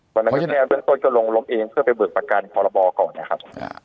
เพราะฉะนั้นเบื้องต้นก็ลงล้มเองเพื่อไปเบื้องประการพอละบอก่อนนะครับ